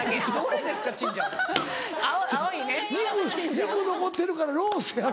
肉残ってるからロースやろ。